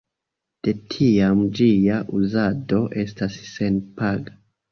De tiam ĝia uzado estas senpaga.